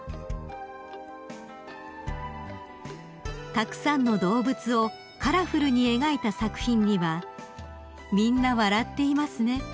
［たくさんの動物をカラフルに描いた作品には「みんな笑っていますね」